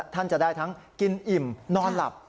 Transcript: ท่านจะได้ทั้งกินอิ่มนอนหลับ